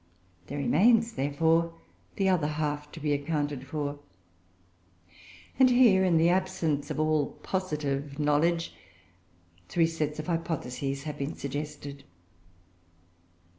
There remains, therefore, the other half to be accounted for; and here, in the absence of all positive knowledge, three sets of hypotheses have been suggested.